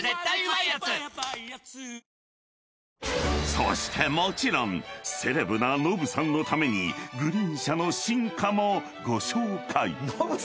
［そしてもちろんセレブなノブさんのためにグリーン車の進化もご紹介］